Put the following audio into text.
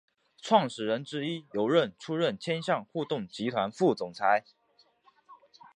创始人之一刘韧出任千橡互动集团副总裁。